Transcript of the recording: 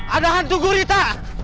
ada hantu gurita